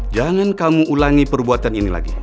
jangan kamu ulangi perbuatan ini lagi